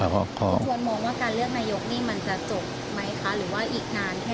ท่านชวนมองว่าการเลือกนายกนี่มันจะจบไหมคะ